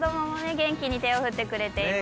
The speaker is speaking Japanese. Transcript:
元気に手を振ってくれていますね。